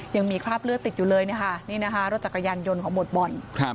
ยังมีคราบเลือดติดอยู่เลยนะคะนี่นะคะรถจักรยานยนต์ของหมวดบอล